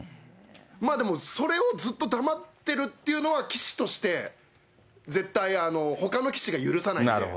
でも、それをずっと黙ってるっていうのは、棋士として、絶対、ほかの棋士が許さない。